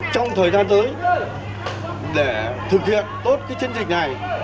trong thời gian tới để thực hiện tốt cái chiến dịch này